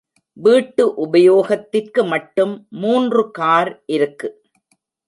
வீட்டு உபயோகத்திற்கு மட்டும் மூன்று கார் இருக்கு.